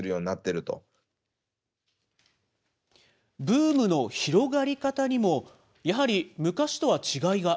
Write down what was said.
ブームの広がり方にも、やはり昔とは違いが。